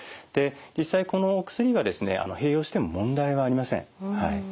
実際このお薬はですね併用しても問題はありません。